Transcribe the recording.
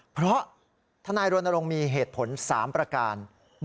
เพราะทนายรณรงค์มีเหตุผล๓ประการ